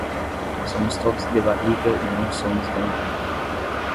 Somos todos de barriga e não somos de um "templo".